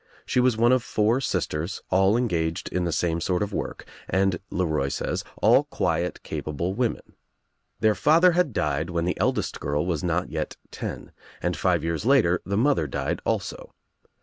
She was one of four jisters, all engaged in the same sort of work and. Le Roy says, all quiet capable women. Their father had died when the eldest girl was not yet ten, and five years later the mother died also.